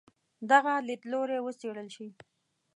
دغه لیدلوری وڅېړل شي.